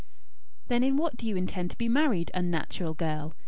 "Then in what do you intend to be married, unnatural girl?"